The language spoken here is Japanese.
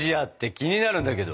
気になるんだけど。